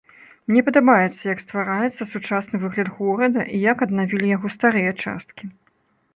Мне падабаецца, як ствараецца сучасны выгляд горада і як аднавілі яго старыя часткі.